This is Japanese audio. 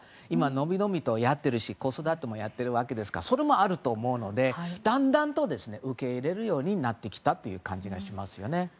今、伸び伸びとやっているし子育てもやっているわけですからそれもあると思うのでだんだんと受け入れるようになってきたという感じがしますね。